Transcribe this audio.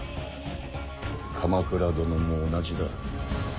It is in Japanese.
鎌倉殿も同じだ。